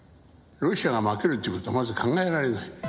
ロシアが負けるっていうことは、まず考えられない。